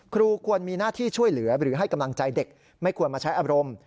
ควรมีหน้าที่ช่วยเหลือหรือให้กำลังใจเด็กไม่ควรมาใช้อารมณ์